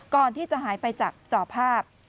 ก่อนที่จะหายไปจากจอภาพ